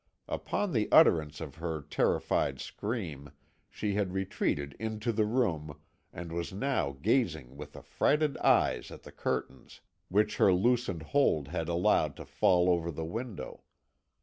Upon the utterance of her terrified scream she had retreated into the room, and was now gazing with affrighted eyes at the curtains, which her loosened hold had allowed to fall over the window.